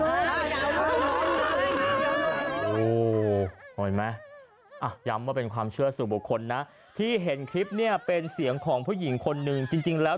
เห็นไหมอ่ะย้ำว่าเป็นความเชื่อสู่บุคคลนะที่เห็นคลิปเนี่ยเป็นเสียงของผู้หญิงคนนึงจริงแล้ว